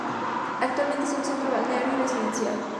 Actualmente es un centro balneario y residencial.